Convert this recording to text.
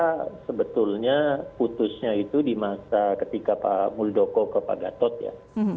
karena sebetulnya putusnya itu di masa ketika pak muldoko ke pak gatot ya